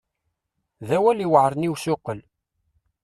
D awal iweɛren i usuqel.